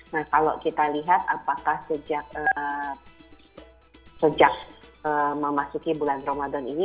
nah kalau kita lihat apakah sejak memasuki bulan ramadan ini